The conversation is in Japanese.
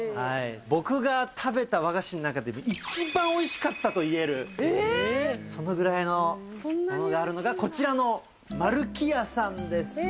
僕が食べた和菓子の中で、一番おいしかったと言える、そのぐらいのがあるのが、こちらの丸基屋さんです。